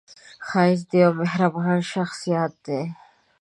ښایست د یوه مهربان شخص یاد دی